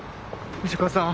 藤子さん。